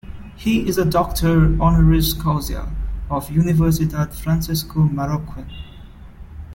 He is a doctor "honoris causa" of Universidad Francisco Marroquin.